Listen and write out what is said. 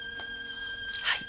はい。